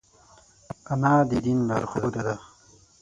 انا د دین لارښوده ده